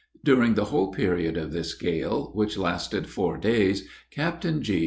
During the whole period of this gale, which lasted four days, Captain G.